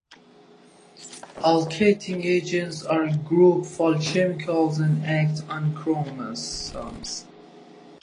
Alkylating agents are a group of chemicals that act on chromosomes.